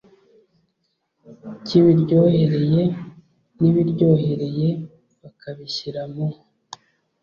cy ibiryohereye n ibiryohereye bakabishyira mu